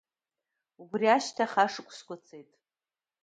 Убри ашьҭахь ашықәсқәа цеит.